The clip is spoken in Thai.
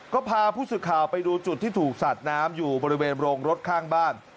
ก็พาผู้สื่อข่าวไปดูจุดที่ถูกสัดน้ำอยู่บริเวณโรงรถข้างบ้าน